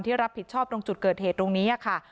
รับผิดชอบตรงจุดเกิดเหตุตรงนี้ค่ะ